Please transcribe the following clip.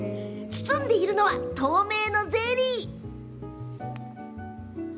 包んでいるのは透明のゼリー。